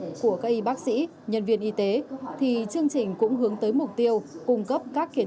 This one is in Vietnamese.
của các y bác sĩ nhân viên y tế thì chương trình cũng hướng tới mục tiêu cung cấp các kiến